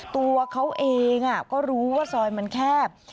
ตัวเขาเองก็รู้ว่าซอยมันแคบ